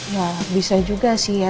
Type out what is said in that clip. ya bisa juga sih ya